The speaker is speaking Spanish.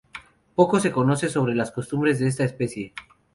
Poco se conoce sobre las costumbres de esta especie.